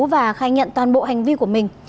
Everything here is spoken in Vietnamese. và khai nhận toàn bộ hành vi của mình